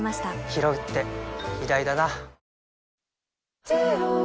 ひろうって偉大だな